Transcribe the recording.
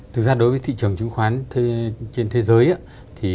thực ra đối với thị trường chứng khoán trên thế giới